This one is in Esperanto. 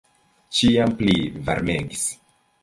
Ĉiam pli varmegis.